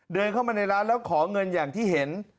เดินเข้ามาในร้านแล้วขอเงินอย่างที่เห็น